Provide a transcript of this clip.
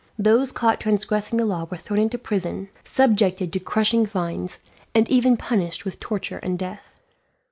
Those caught transgressing the law were thrown into prison, subjected to crushing fines, and even punished with torture and death.